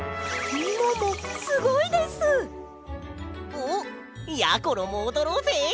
おっやころもおどろうぜ！